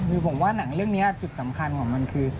คือผมว่าหนังเรื่องนี้จุดสำคัญของมันคือ